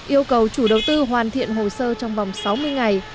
yêu cầu chủ đầu tư hoàn thiện hồ sơ trong vòng sáu mươi ngày